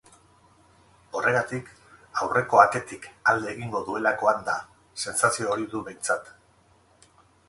Horregatik, aurreko atetik alde egingo duelakoan da, sentsazio hori du behintzat.